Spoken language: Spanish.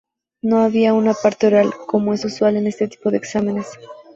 No había una parte oral, como es usual en este tipo de exámenes.